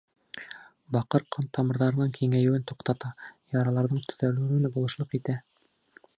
Баҡыр ҡан тамырҙарының киңәйеүен туҡтата, яраларҙың төҙәлеүенә булышлыҡ итә.